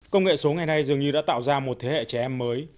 công nghệ số ngày nay dường như đã tạo ra một thế hệ trẻ em mới